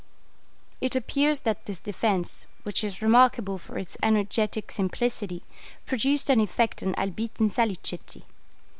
It appears that this defence, which is remarkable for its energetic simplicity, produced an effect on Albitte and Salicetti.